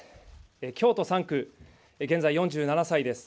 京都３区、現在４７歳です。